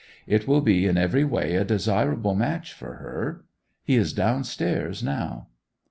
It will be in every way a desirable match for her. He is downstairs now.